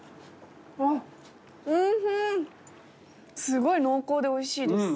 すごい濃厚でおいしいです。